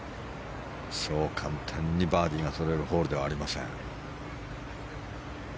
そう簡単にバーディーがとれるホールではありません。